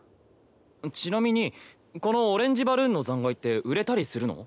ちなみにこのオレンジバルーンの残骸って売れたりするの？